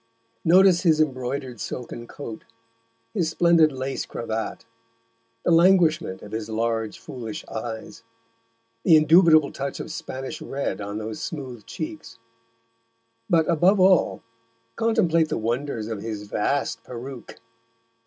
Notice his embroidered silken coat, his splendid lace cravat, the languishment of his large foolish eyes, the indubitable touch of Spanish red on those smooth cheeks. But, above all contemplate the wonders of his vast peruke.